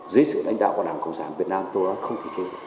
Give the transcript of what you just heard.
dưới sự lãnh đạo của đảng cộng sản việt nam tôi nói không thể chế